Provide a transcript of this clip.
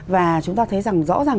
và chúng ta thấy rằng rõ ràng